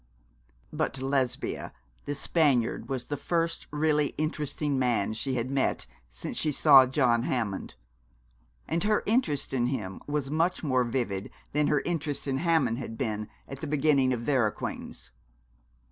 But to Lesbia this Spaniard was the first really interesting man she had met since she saw John Hammond; and her interest in him was much more vivid than her interest in Hammond had been at the beginning of their acquaintance.